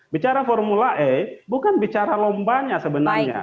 bicara formula e bukan bicara lombanya sebenarnya